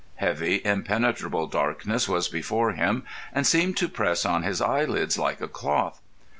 Heavy, impenetrable darkness was before him, and seemed to press on his eyelids like a cloth.